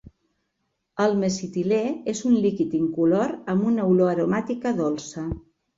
El mesitilè és un líquid incolor amb una olor aromàtica dolça.